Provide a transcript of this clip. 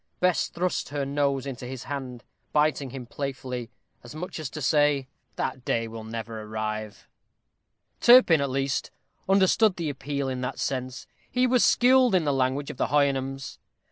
Bess thrust her nose into his hand, biting him playfully, as much as to say, "That day will never arrive." Turpin, at least, understood the appeal in that sense; he was skilled in the language of the Houyhnhnms.